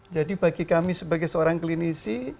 jadi bagi kami sebagai seorang klinisi